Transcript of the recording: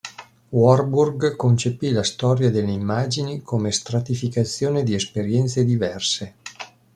Warburg concepì la storia delle immagini come stratificazione di esperienze diverse.